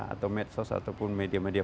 atau medsos ataupun media media